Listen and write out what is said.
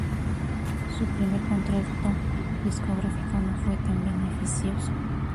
Su primer contrato discográfico no fue tan beneficioso.